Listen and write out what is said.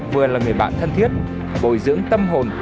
vừa là người bạn thân thiết bồi dưỡng tâm hồn